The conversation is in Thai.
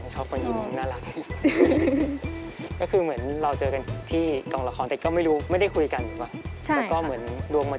ชอบกินแบบนั้นแนวหน้าเหนือนกัน